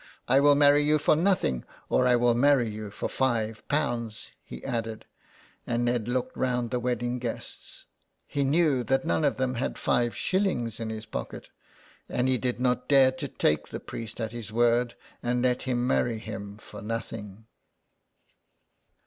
I will marry you for nothing or I will marry you for five pounds," he added, and Ned looked round the wedding guests ; he knew that none had five shillings in his pocket, and he did not dare to take the priest at his word and let him marry him for nothing.